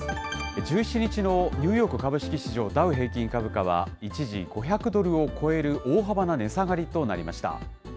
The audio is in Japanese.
１７日のニューヨーク株式市場ダウ平均株価は、一時５００ドルを超える大幅な値下がりとなりました。